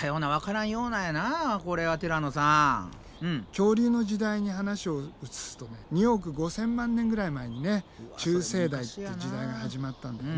恐竜の時代に話を移すとね２億５，０００万年ぐらい前にね中生代っていう時代が始まったんだよね。